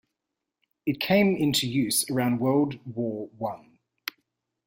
It came into use around World War One.